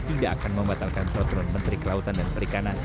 tidak akan membatalkan peraturan menteri kelautan dan perikanan